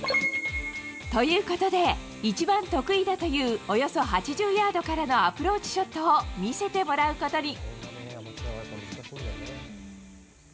ということで、一番得意だという、およそ８０ヤードからのアプローチショットを見せてもらうことに。